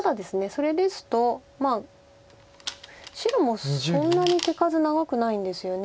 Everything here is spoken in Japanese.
それですと白もそんなに手数長くないんですよね。